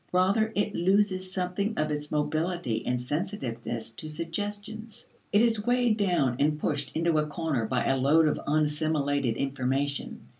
Rather, it loses something of its mobility and sensitiveness to suggestions. It is weighed down and pushed into a corner by a load of unassimilated information.